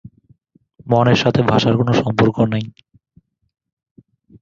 মনের সাথে ভাষার কোন সম্পর্ক নেই।